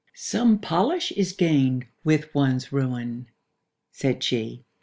— "Some polish is gained with one's ruin," said she.